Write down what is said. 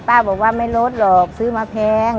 บอกว่าไม่ลดหรอกซื้อมาแพง